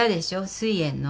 すい炎の。